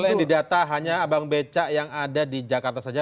kalau yang di data hanya abang bca yang ada di jakarta saja